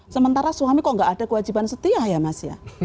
sementara suami kok nggak ada kewajiban setia ya mas ya